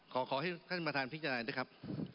ขอให้ท่านประธานพิจารณาด้วยครับ